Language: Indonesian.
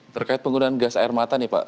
terkait penggunaan gas air mata nih pak